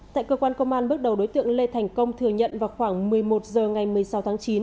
tại cơ quan công an bước đầu đối tượng lê thành công thừa nhận vào khoảng một mươi một h ngày một mươi sáu tháng chín